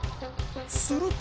すると。